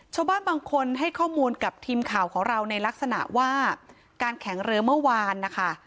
ชาวบ้านบางคนให้ข้อมูลกับทีมข่าวของเราในลักษณะว่าการแข่งเรือเมื่อวานนะคะ